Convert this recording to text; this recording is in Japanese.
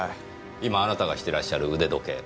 今あなたがしてらっしゃる腕時計。